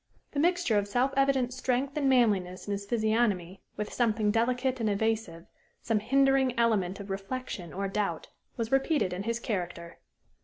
The mixture of self evident strength and manliness in his physiognomy with something delicate and evasive, some hindering element of reflection or doubt, was repeated in his character.